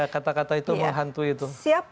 kata kata itu mah hantu itu